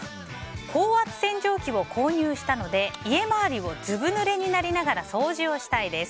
高圧洗浄機を購入したので家周りをずぶぬれになりながら掃除をしたいです。